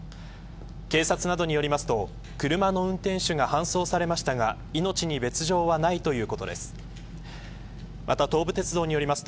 警察などによりますと、車の運転手が搬送されましたが命に別条はないということです。